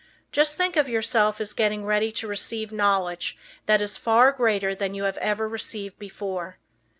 Just think of yourself as getting ready to receive knowledge that is far greater than you have ever received before.